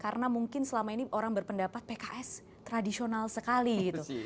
karena mungkin selama ini orang berpendapat pks tradisional sekali gitu